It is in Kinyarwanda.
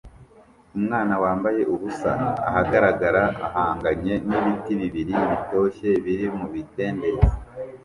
Umwana wambaye ubusa ahagarara ahanganye nibintu bibiri bitose biri mubidendezi